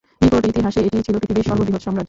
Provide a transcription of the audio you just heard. নিকট ইতিহাসে এটিই ছিল পৃথিবীর সর্ববৃহৎ সম্রাজ্য।